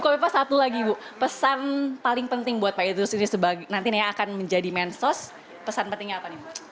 kofifa satu lagi bu pesan paling penting buat pak idrus ini nantinya akan menjadi mensos pesan pentingnya apa nih